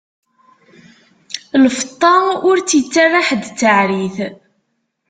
Lfeṭṭa ur tt-ittara ḥedd d taɛrit.